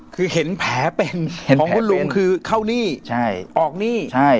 คือเห็นแผลเป็นเห็นของคุณลุงคือเข้าหนี้ใช่ออกหนี้ใช่